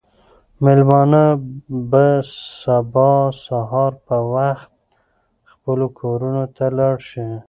مېلمانه به سبا سهار په وخت خپلو کورونو ته لاړ شي.